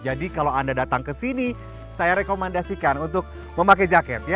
jadi kalau anda datang ke sini saya rekomendasikan untuk memakai jaket ya